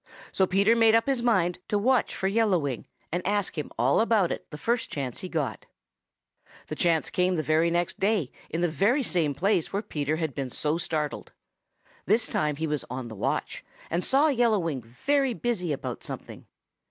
So Peter made up his mind to watch for Yellow Wing and ask him all about it the first chance he got. The chance came the very next day in the very same place where Peter had been so startled. This time he was on the watch and saw Yellow Wing very busy about something.